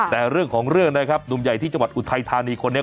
แต่เรื่องของเรื่องนะครับหนุ่มใหญ่ที่จังหวัดอุทัยธานีคนนี้